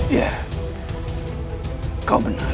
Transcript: iya kau benar